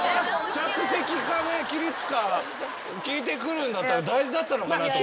着席か起立か聞いてくるんだったら大事だったのかなと。